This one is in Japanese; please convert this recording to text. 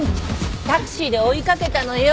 タクシーで追い掛けたのよ。